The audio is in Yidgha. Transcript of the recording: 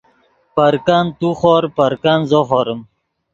پرکند تو خور پرکند زو خوریم